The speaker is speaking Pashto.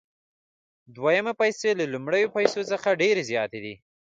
دویمې پیسې له لومړیو پیسو څخه ډېرې زیاتې دي